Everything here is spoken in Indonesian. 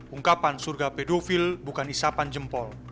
ungkapan surga pedofil bukan isapan jempol